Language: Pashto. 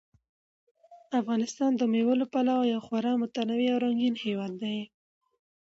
افغانستان د مېوو له پلوه یو خورا متنوع او رنګین هېواد دی.